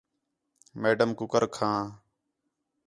میڈم کُکر کھاں